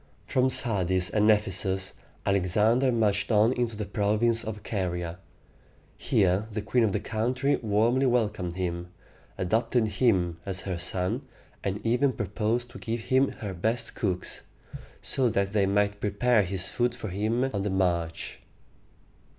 From Sardis and Ephesus, Alexander marched on into the province of Ca´ri a. Here the queen of the country warmly welcomed him, adopted him as her son, and even proposed to give him her best cooks, so that they might prepare his food for him on the march.